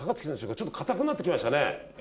ちょっと硬くなって来ましたね。